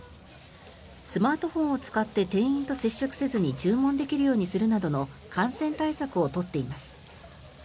スマートフォンを使って店員と接触せずに注文できるようにするなどの感染対策を取っています。